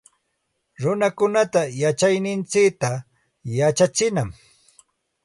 Runakunata yachayninchikta yachachinam